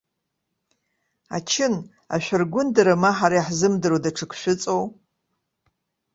Ачын, ашәаргәындара, ма ҳара иаҳзымдыруа даҽак шәыҵоу?!